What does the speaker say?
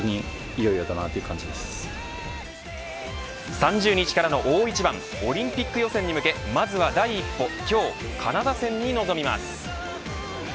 ３０日からの大一番オリンピック予選に向けまずは第一歩、今日カナダ戦に臨みます。